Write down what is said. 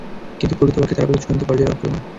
কিন্তু প্রকৃত পক্ষে তারা পেল চূড়ান্ত পর্যায়ের অকল্যাণ।